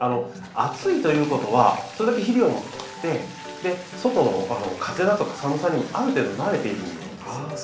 厚いということはそれだけ肥料も吸って外の風だとか寒さにもある程度慣れているものなんですよ。